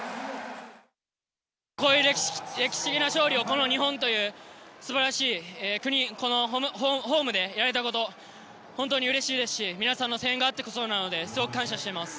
この歴史的な勝利をこの日本というすばらしい国、このホームでやれたこと、本当にうれしいですし、皆さんの声援があってこそなので、すごく感謝しています。